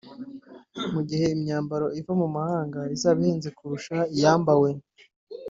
Mu gihe imyambaro iva mu mahanga izaba ihenze kurusha iyambawe